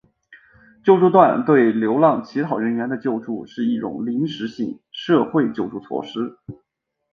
救助站对流浪乞讨人员的救助是一项临时性社会救助措施。